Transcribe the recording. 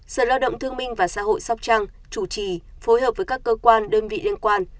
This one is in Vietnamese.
sở lao động thương minh và xã hội sóc trăng chủ trì phối hợp với các cơ quan đơn vị liên quan